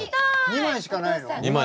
２枚しかない。